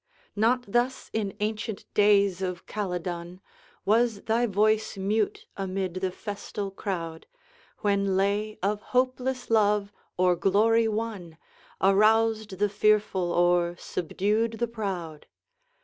Not thus, in ancient days of Caledon, Was thy voice mute amid the festal crowd, When lay of hopeless love, or glory won, Aroused the fearful or subdued the proud.